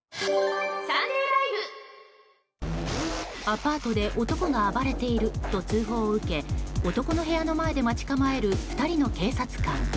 アパートで男が暴れていると通報を受け男の部屋の前で待ち構える２人の警察官。